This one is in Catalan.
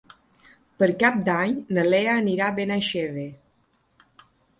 Per Cap d'Any na Lea anirà a Benaixeve.